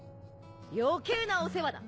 余計なお世話だ！